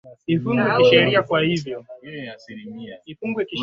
kwa mwezi mmoja zaidi kuruhusu kufanyika kwa uchunguza wa malalamiko hayo